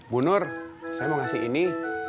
bu nur saya mau ngasih ini